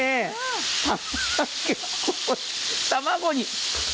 卵に。